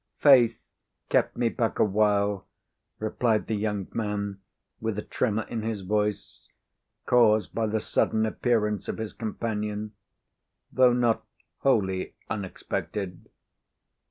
"Faith kept me back a while," replied the young man, with a tremor in his voice, caused by the sudden appearance of his companion, though not wholly unexpected.